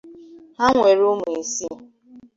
Ha nwere ụmụ isii.